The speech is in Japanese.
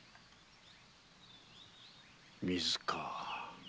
水か。